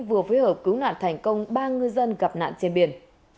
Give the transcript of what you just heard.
vừa phối hợp cứu nạn thành công ba ngư dân gặp nạn trên biển